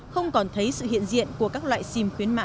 không còn thấy sự hiện diện của các loại sim khuyến mãi